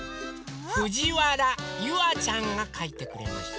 ふじわらゆあちゃんがかいてくれました。